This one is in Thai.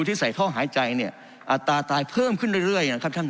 ที่ใส่ท่อหายใจเนี่ยอัตราตายเพิ่มขึ้นเรื่อยนะครับท่าน